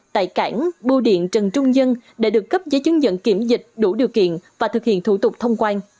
tại cảng bưu điện trần trung nhân để được cấp giấy chứng nhận kiểm dịch đủ điều kiện và thực hiện thủ tục thông quan